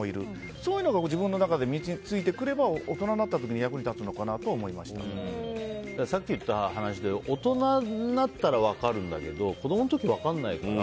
そういうのが自分の中で身に着いてくれば大人になった時にさっき言った話だと大人になったら分かるんだけど子供の時分からないから。